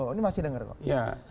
ini masih dengar kok